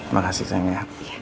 makasih sayang ya